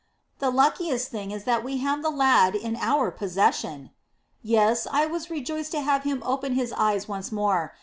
"The luckiest thing is that we have the lad in our possession." "Yes, I was rejoiced to have him open his eyes once more.